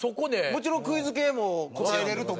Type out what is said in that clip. もちろんクイズ系も答えられると思うねん。